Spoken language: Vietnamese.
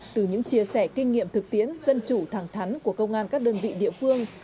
từ những chia sẻ kinh nghiệm thực tiễn dân chủ thẳng thắn của công an các đơn vị địa phương